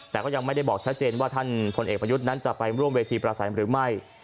แต่ก็ยังไม่ได้บอกชัดเจนว่าท่านพลเอกประยุทธ์นั้นจะไปร่วมเวทีประสัยหรือไม่